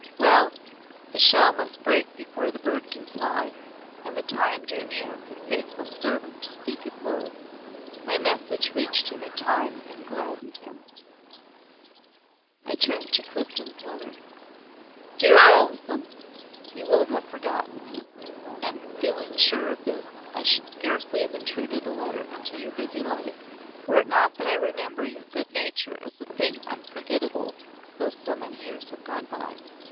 Well the shell must break before the bird can fly, and the time drew near for the faithful servant to seek his lord. My message reached him in time and gladdened him. I turned then to Clifden's letter. "Dear Olesen, you will have forgotten me, and feeling sure of this I should scarcely have intruded a letter into your busy life were it not that I remember your good nature as a thing unforgettable though so many years have gone by.